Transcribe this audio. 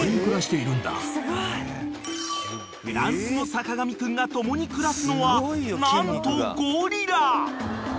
［フランスの坂上くんが共に暮らすのは何とゴリラ！］